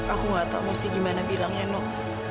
aku gak tau mesti gimana bilangnya nok